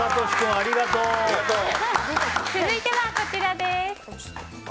続いてはこちらです。